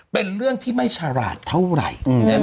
เป็นเรื่องที่ไม่ฉลาดเท่าไหร่